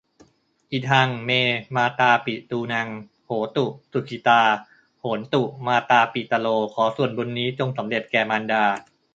อิทัง เม มาตาปิตูนัง โหตุ สุขิตา โหนตุ มาตาปิตะโร ขอส่วนบุญนี้จงสำเร็จแก่มารดา